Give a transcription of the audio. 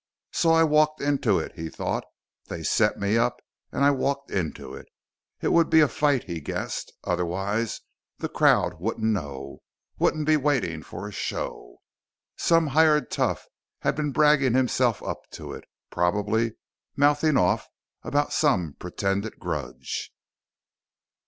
So I walked into it, he thought. They set me up, and I walked into it. It would be a fight, he guessed. Otherwise the crowd wouldn't know, wouldn't be waiting for a show. Some hired tough had been bragging himself up to it, probably, mouthing off about some pretended grudge.